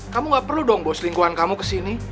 kamu gak perlu dong bawa selingkuhan kamu kesini